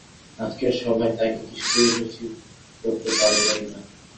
আজকের সভায় তাঁকে কিছুতেই উপস্থিত করতে পারলেম না।